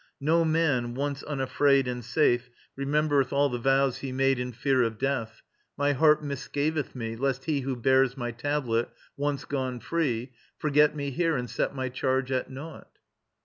No man, once unafraid And safe, remembereth all the vows he made In fear of death. My heart misgiveth me, Lest he who bears my tablet, once gone free, Forget me here and set my charge at naught.